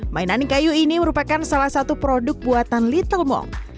mainan kayu ini merupakan salah satu produk buatan little mong